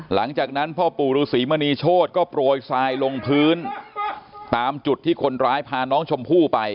หลังจากนั้นพ่อปู่ฤษีมณีโชธก็โปรยทรายลงพื้นตามจุดที่คนร้ายพาน้องชมพู่ไป